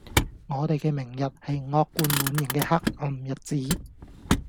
我地既明日,係惡貫滿刑既黑暗日子